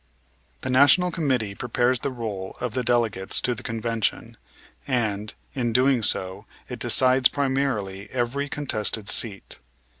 The National Committee prepares the roll of the delegates to the Convention, and, in doing so, it decides primarily every contested seat.